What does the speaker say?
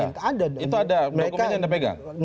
itu ada dokumen yang anda pegang